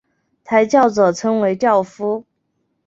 抬轿者称为轿夫。